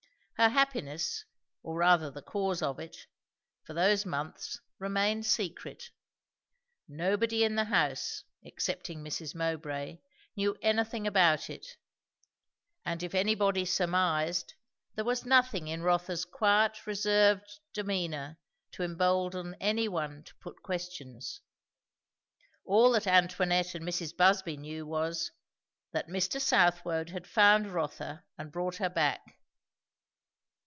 Her happiness, or rather the cause of it, for those months remained secret. Nobody in the house, excepting Mrs. Mowbray, knew anything about it; and if anybody surmised, there was nothing in Rotha's quiet, reserved demeanour to embolden any one to put questions. All that Antoinette and Mrs. Busby knew was, that Mr. Southwode had found Rotha and brought her back.